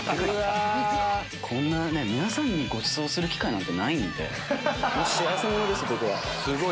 こんなね皆さんにごちそうする機会ないんで幸せ者です